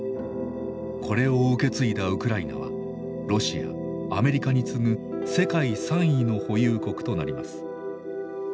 これを受け継いだウクライナはロシアアメリカに継ぐ世界３位の保有国となります。